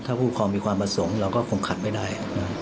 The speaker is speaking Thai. ถ้าผู้ครองมีความประสงค์เราก็คงขัดไม่ได้